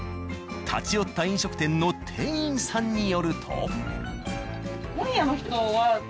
立ち寄った飲食店の店員さんによると。